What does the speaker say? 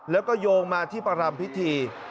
แล้วก็โยงมาที่ประรำพิธี